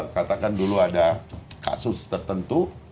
katakan dulu ada kasus tertentu